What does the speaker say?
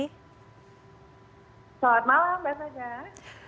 selamat malam mbak sajar